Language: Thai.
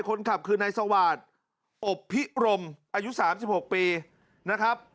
คนขับคือนายสวาดอบพิรมอายุสามสิบหกปีนะครับ